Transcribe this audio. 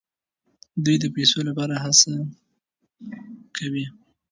دوی د پیسو لپاره هر څه کوي.